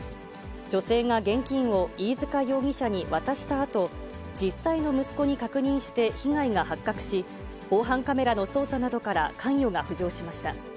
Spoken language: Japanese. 女性が現金を飯塚容疑者に渡したあと、実際の息子に確認して被害が発覚し、防犯カメラの捜査などから関与が浮上しました。